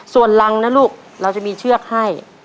ส่วนรังนะลูกเราจะมีเชือกให้